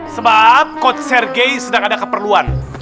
sebab coach sergei sedang ada keperluan